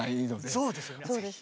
そうですね。